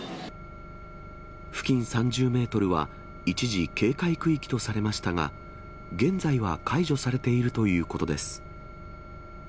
付近３０メートルは、一時警戒区域とされましたが、現在は解除されているということです。